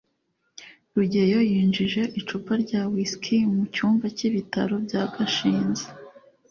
rugeyo yinjije icupa rya whiski mu cyumba cy'ibitaro bya gashinzi